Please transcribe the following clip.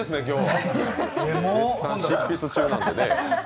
絶賛、執筆中なんでね。